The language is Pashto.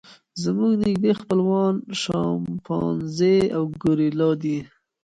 زموږ نږدې خپلوان شامپانزي او ګوریلا دي.